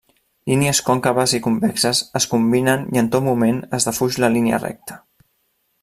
Línies còncaves i convexes es combinen i en tot moment es defuig la línia recta.